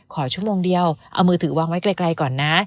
ขอชั่วโมงเดียวเอามือถือวางไว้ไกลก่อนนะ